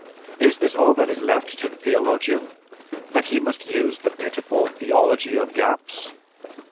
Is this all that is left to the theologian: that he must use the pitiful "Theology of Gaps"?